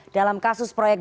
dalam kasus proyek